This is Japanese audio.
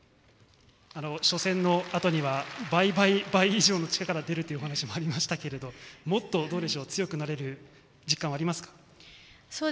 初戦のあとには倍、倍、倍以上の力が出るというお話もありましたけどもっと強くなれる実感はありますか？